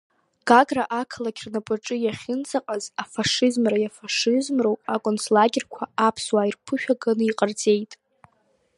Гагра ақалақь рнапаҿы иахьынӡаҟаз афашизмра иафашизмроу, аконцлагерқәа аԥсуаа ирԥышәаганы иҟарҵеит.